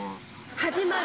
始まる。